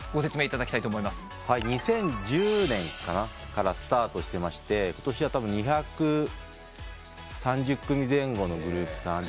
２０１０年からスタートしてましてことしはたぶん２３０組前後のグループさん。